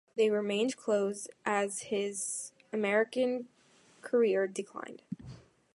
They remained close as his American career declined.